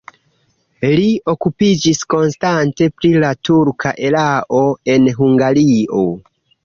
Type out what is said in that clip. Li okupiĝis konstante pri la turka erao en Hungario.